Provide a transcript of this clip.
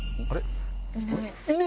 あれ？